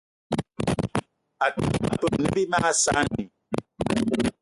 Até ma peum ne bí mag saanì